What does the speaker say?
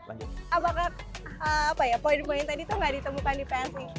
apakah poin poin tadi tuh gak ditemukan di psi